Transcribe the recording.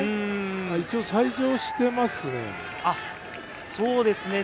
一応、再乗してますね。